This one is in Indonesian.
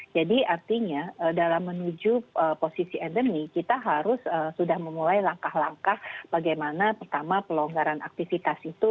jadi artinya dalam menuju posisi endemi kita harus sudah memulai langkah langkah bagaimana pertama pelonggaran aktivitas itu